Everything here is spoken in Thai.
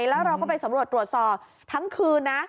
แล้วเราก็ไปสำรวจตรวจสอบทั้งคืนนะ